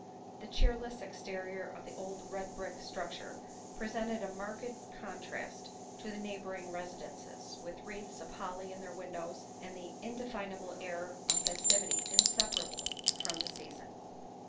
The cheerless exterior of the old red brick structure pre sented a marked contrast to the neighboring residences, with wreaths of holly in their windows and the inde finable air of festivity inseparable from the season.